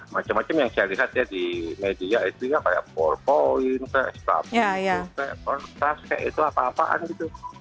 macam macam yang saya lihat ya di media itu ya kayak empat point stabil kontras kayak itu apa apaan gitu